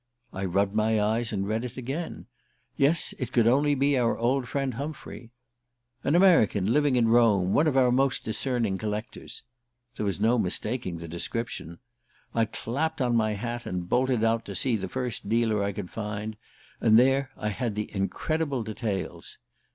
I rubbed my eyes and read again. Yes, it could only be our old friend Humphrey. "An American living in Rome ... one of our most discerning collectors"; there was no mistaking the description. I clapped on my hat and bolted out to see the first dealer I could find; and there I had the incredible details.